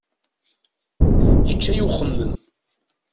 Yečča-yi uxemmem.